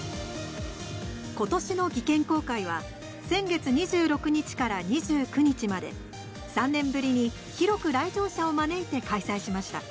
ことしの技研公開は先月２６日から２９日まで３年ぶりに広く来場者を招いて開催しました。